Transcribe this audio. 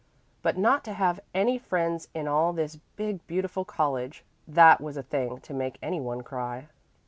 But not to have any friends in all this big, beautiful college that was a thing to make any one cry.